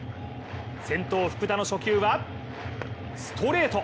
先頭・福田の初球はストレート。